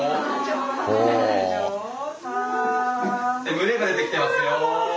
胸が出てきてますよ。